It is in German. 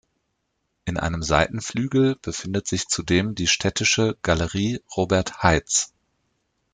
In einem Seitenflügel befindet sich zudem die städtische "Galerie Robert Heitz".